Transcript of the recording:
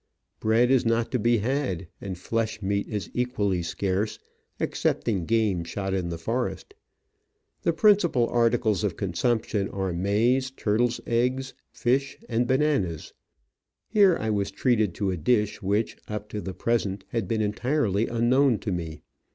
Bread is not to be had, and flesh meat is equally scarce, excepting game shot in the forest. The principal articles of consumption are maize, turtles* eggs, fish, and bananas. Here I was treated to a dish which, up to the present, had been entirely unknown to me.